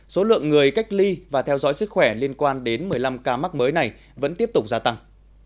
số lượng người cách ly và theo dõi sức khỏe liên quan đến một mươi năm ca mắc mới này vẫn tiếp tục gia tăng